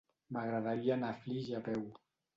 M'agradaria anar a Flix a peu.